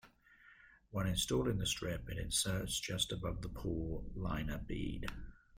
When installing the strip, it inserts just above the pool liner bead.